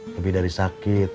lebih dari sakit